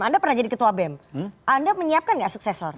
anda pernah jadi ketua bem anda menyiapkan nggak suksesor